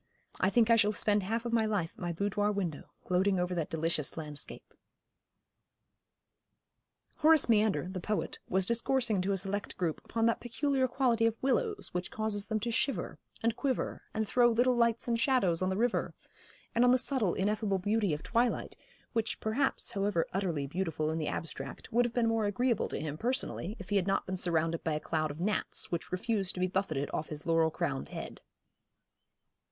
'I think I shall spend half of my life at my boudoir window, gloating over that delicious landscape.' Horace Meander, the poet, was discoursing to a select group upon that peculiar quality of willows which causes them to shiver, and quiver, and throw little lights and shadows on the river, and on the subtle, ineffable beauty of twilight, which perhaps, however utterly beautiful in the abstract, would have been more agreeable to him personally if he had not been surrounded by a cloud of gnats, which refused to be buffeted off his laurel crowned head.